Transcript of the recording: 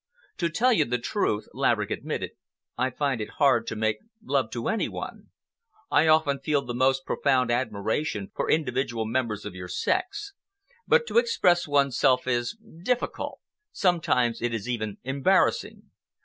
"To tell you the truth," Laverick admitted, "I find it hard to make love to any one. I often feel the most profound admiration for individual members of your sex, but to express one's self is difficult—sometimes it is even embarrassing.